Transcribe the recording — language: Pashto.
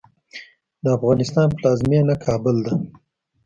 د افغانستان پلازمېنه کابل ده.